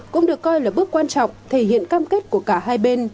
cũng được coi là bước quan trọng thể hiện cam kết của cả hai bên